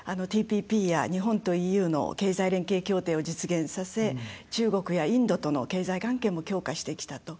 ＴＰＰや、日本とＥＵの経済連携協定を実現させ中国やインドとの経済関係も強化してきたと。